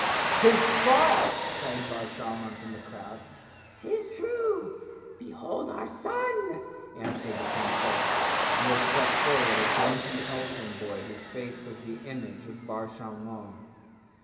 "'Tis false," cried Bar Shalmon from the crowd. "'Tis true. Behold our son," answered the princess, and there stepped forward a dainty elfin boy whose face was the image of Bar Shalmon.